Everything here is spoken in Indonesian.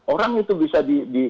orang itu bisa di